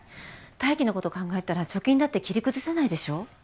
泰生のこと考えたら貯金だって切り崩せないでしょ？